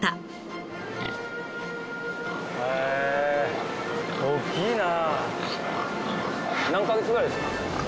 へえ大きいな。